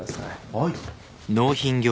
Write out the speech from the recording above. はい。